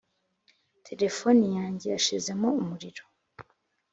Telephone yanjye yashizemo umuriro